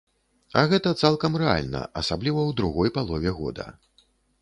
А гэта цалкам рэальна, асабліва ў другой палове года.